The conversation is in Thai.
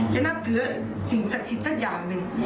จะนับถือสิ่งสักสิบสักอย่างหนึ่ง